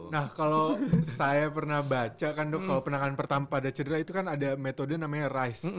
nah kalau saya pernah baca kan dok kalau penanganan pertama pada cedera itu kan ada metode namanya rice